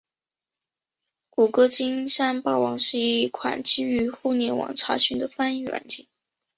谷歌金山词霸是一款基于互联网查询的翻译软件。